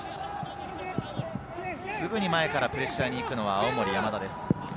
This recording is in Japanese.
すぐに前からプレッシャーに行くのは青森山田です。